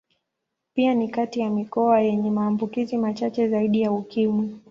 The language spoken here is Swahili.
Pia ni kati ya mikoa yenye maambukizi machache zaidi ya Ukimwi.